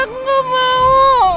aku gak mau